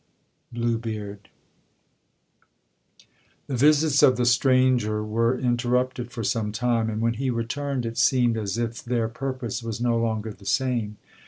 BLUE BEARD 'The visits of the stranger were interrupted for some time, and when he returned, it seemed as if their purpose was no longer the same.